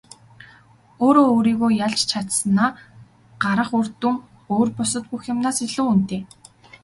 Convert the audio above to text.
Өөрөө өөрийгөө ялж чадсанаа гарах үр дүн өөр бусад бүх юмнаас илүү үнэтэй.